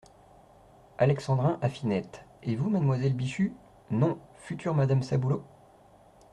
Alexandrin , à Finette. — Et vous, mademoiselle Bichu,… non, future madame Saboulot ?